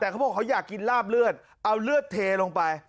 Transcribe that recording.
แต่เขาบอกเขาอยากกินลาบเลือดเอาเลือดเทลงไป